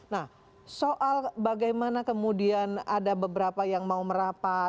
nah soal bagaimana kemudian ada beberapa yang mau merapat